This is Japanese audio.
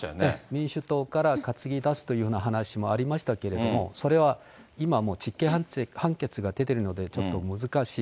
民主党から担ぎ出すというような話もありましたけれども、それは今もう実刑判決が出てるので、ちょっと難しい。